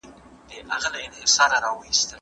نن جهاني په ستړو منډو رباتونه وهي